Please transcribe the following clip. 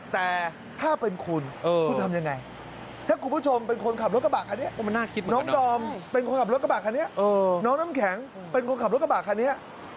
แต่ถ้าเป็นคุณคุณทำยังไง